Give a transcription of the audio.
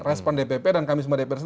respon dpp dan kami semua dpr